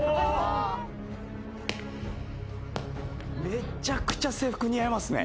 めちゃくちゃ制服似合いますね。